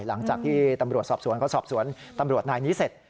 หลังจากที่ตำรวจสอบสวนเขาสอบสวนตำรวจนายนี้เสร็จ